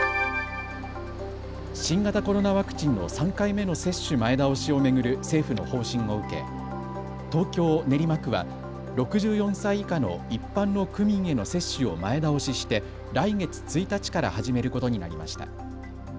新型コロナワクチンの３回目の接種前倒しを巡る政府の方針を受け、東京練馬区は６４歳以下の一般の区民への接種を前倒しして来月１日から始めることになりました。